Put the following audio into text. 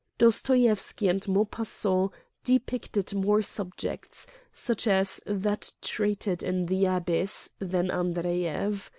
Dostoyevsky and Maupassant de picted more subjects, such as that treated in '* The Abyss," than Andreyev.